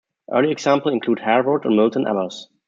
Early examples include Harewood and Milton Abbas.